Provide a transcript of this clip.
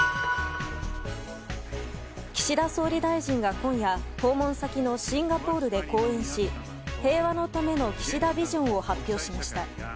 岸田総理大臣が今夜訪問先のシンガポールで講演し平和のための岸田ビジョンを発表しました。